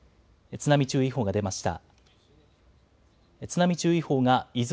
津波注意報が出ました。